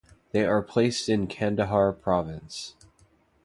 They are placed in Kandahar province.